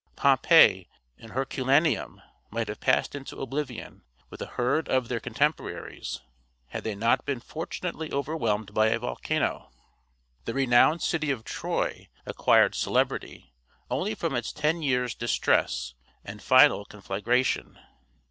Pompeii and Herculaneum might have passed into oblivion, with a herd of their contemporaries, had they not been fortunately overwhelmed by a volcano. The renowned city of Troy acquired celebrity only from its ten years' distress and final conflagration.